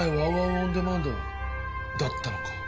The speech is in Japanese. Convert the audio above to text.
オンデマンドだったのか。